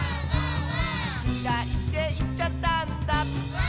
「きらいっていっちゃったんだ」